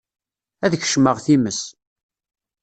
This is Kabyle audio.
Ad kecmeɣ times.